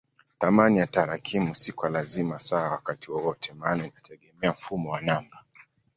Thamani ya tarakimu si kwa lazima sawa wakati wowote maana inategemea mfumo wa namba.